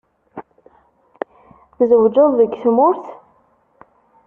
Tzewǧeḍ deg tmurt?